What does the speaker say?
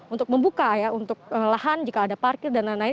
untuk membuka ya untuk lahan jika ada parkir dan lain lain